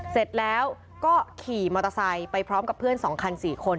เสร็จแล้วก็ขี่มอเตอร์ไซค์ไปพร้อมกับเพื่อน๒คัน๔คน